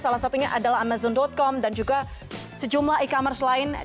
salah satunya adalah amazon com dan juga sejumlah e commerce lain